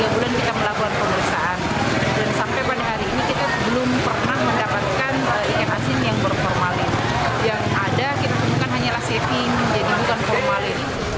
yang ada kita temukan hanyalah saving jadi bukan formalin